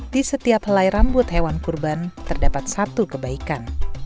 di setiap helai rambut hewan kurban terdapat satu kebaikan